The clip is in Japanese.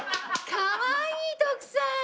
かわいい徳さん！